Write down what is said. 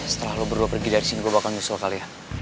setelah lo berdua pergi dari sini gue bakal nyusul kali ya